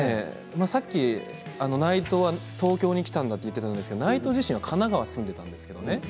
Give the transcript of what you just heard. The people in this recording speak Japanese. さっき内藤は東京に来たんだと言ったんですけど内藤自身は神奈川に住んでいたんですよね。